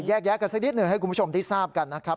แยกแยะกันสักนิดหนึ่งให้คุณผู้ชมได้ทราบกันนะครับ